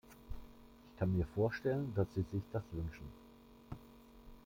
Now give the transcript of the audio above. Ich kann mir vorstellen, dass Sie sich das wünschen.